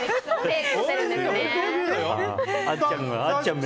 あっちゃん